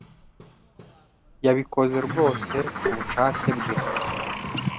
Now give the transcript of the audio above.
Yabikoze rwose ku bushake bwe.